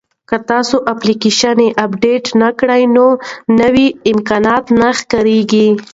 که تاسي اپلیکیشن اپډیټ نه کړئ نو نوي امکانات نه ښکاري.